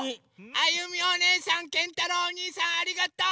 あゆみおねえさんけんたろうおにいさんありがとう！